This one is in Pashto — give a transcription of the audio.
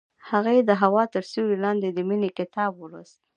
هغې د هوا تر سیوري لاندې د مینې کتاب ولوست.